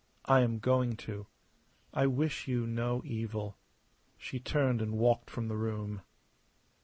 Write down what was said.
I am going to. I wish you no evil." She turned and walked from the room.